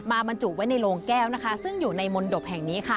บรรจุไว้ในโรงแก้วนะคะซึ่งอยู่ในมนตบแห่งนี้ค่ะ